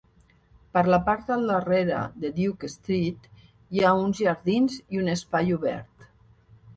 Per la part del darrere de Duke Street hi ha uns jardins i un espai obert.